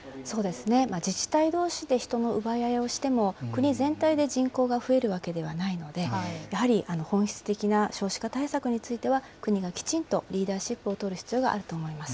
自治体どうしで人の奪い合いをしても、国全体で人口が増えるわけではないので、やはり、本質的な少子化対策については、国がきちんとリーダーシップを取る必要があると思います。